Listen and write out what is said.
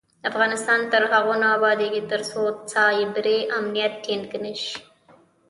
افغانستان تر هغو نه ابادیږي، ترڅو سایبري امنیت ټینګ نشي.